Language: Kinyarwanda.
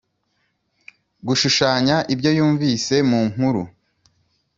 gushushanya ibyo yumvise mu nkuru.